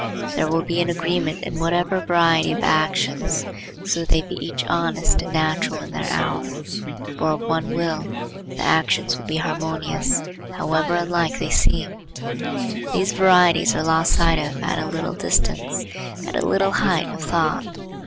There will be an agreement in whatever variety of actions, so they be each honest and natural in their hour. For of one will, the actions will be harmonious, however unlike they seem. These varieties are lost sight of at a little distance, at a little height of thought.